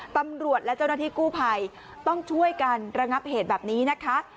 ตำรวจและเจ้าหน้าที่กู้ภัยต้องช่วยกันระงับเหตุแบบนี้นะคะ